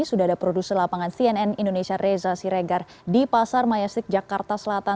sudah ada produser lapangan cnn indonesia reza siregar di pasar majesik jakarta selatan